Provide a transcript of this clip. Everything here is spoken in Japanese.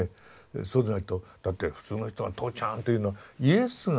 そうでないとだって普通の人が「とうちゃん」と言うのはイエスがね